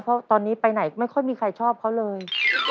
เพราะตอนนี้ไปไหนไม่ค่อยมีใครชอบเขาเลย